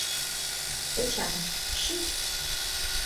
Эчан, шич.